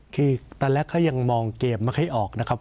คือตอนแรกก็ยังมองเกมมาให้ออกนะครับ